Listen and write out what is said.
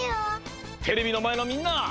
テレビのまえのみんな！